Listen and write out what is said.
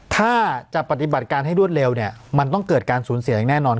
ถ้าจะปฏิบัติการให้รวดเร็วเนี่ยมันต้องเกิดการสูญเสียอย่างแน่นอน